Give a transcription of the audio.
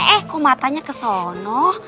eh kok matanya ke sana